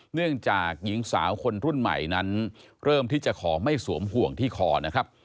เนื่องจากหญิงสาวคนรุ่นใหม่นั้นเริ่มที่จะขอไม่สวมห่วงที่คอนะครับ